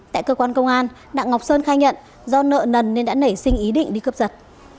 tại cơ quan công an đặng ngọc sơn khai nhận do nợ nần nên đã nảy sinh ý định đi cướp giật